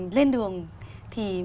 lên đường thì